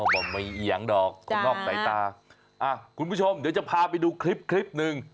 บ่มีอียังดอกข้างนอกในตาอ่ะคุณผู้ชมเดี๋ยวจะพาไปดูคลิปหนึ่ง